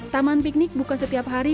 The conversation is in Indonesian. taman piknik buka setiap hari